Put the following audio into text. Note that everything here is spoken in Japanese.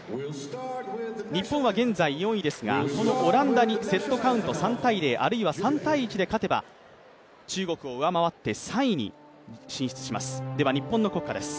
日本は現在４位ですがオランダにセットカウント３−０、あるいは３−１で勝てば中国を上回って３位に進出します。